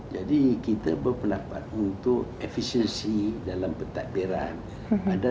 jadi kita berpendapat untuk efisiensi dalam pentadbiran adalah lebih baik kalau kita membangun kota khusus